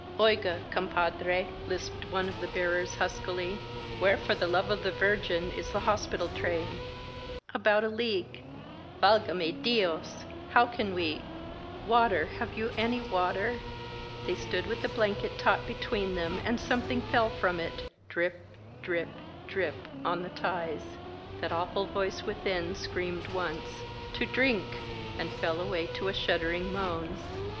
210 THE BLOODY DAWN Oiga compadre,^^ lisped one of the bearers huskily, "Where, for the love of the Virgin, is the hospital train?" "About a league " Valgame Diosl How can we. ..." "Water! Have you any water?" They stood with the blanket taut between them, and something fell from it, drip, drip, drip, on the ties. That awful voice within screamed once, "To drink !" and fell away to a shuddering moan.